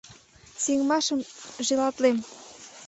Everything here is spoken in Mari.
Сеҥымашым желатлем!